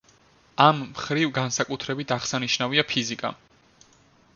ამ მხრივ განსაკუთრებით აღსანიშნავია ფიზიკა.